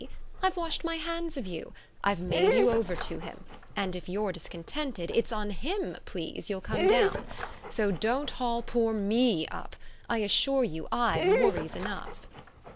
I've washed my hands of you; I've made you over to him; and if you're discontented it's on him, please, you'll come down. So don't haul poor ME up I assure you I've worries enough."